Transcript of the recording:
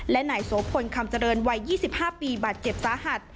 และนายโสพลคำเจริญวัย๒๕ปีบาดเจ็บสาหัส